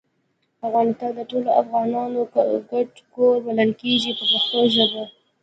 افغانستان د ټولو افغانانو ګډ کور بلل کیږي په پښتو ژبه.